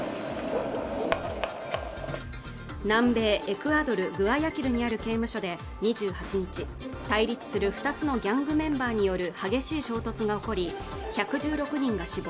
南米エクアドル・グアヤキルにある刑務所で２８日対立する２つのギャングメンバーによる激しい衝突が起こり１１６人が死亡